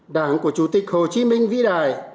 đảng của chủ tịch hồ chí minh vĩ đại